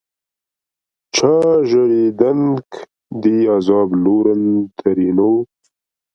چا ژړېدنک دي عذاب لورن؛ ترينو